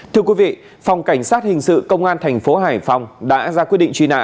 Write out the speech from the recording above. thưa quý vị phòng cảnh sát hình sự công an thành phố hải phòng đã ra quyết định truy nã